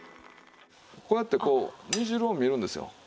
こうやってこう煮汁を見るんですよ。